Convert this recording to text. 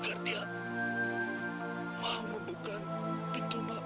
barang barang peran debut ribuan bersamaku